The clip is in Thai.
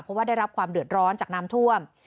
เพราะว่าได้รับความเดือดร้อนจากน้ำท่วม